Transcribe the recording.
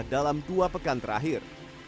dalam dua pekan terakhir